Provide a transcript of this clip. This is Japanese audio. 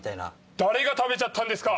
誰が食べちゃったんですか！